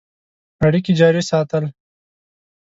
اړیکي جاري ساتل.